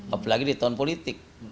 apalagi di tahun politik